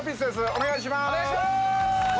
お願いします！